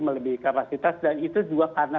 melebihi kapasitas dan itu juga karena